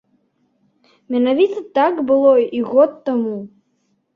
Менавіта так было і год таму.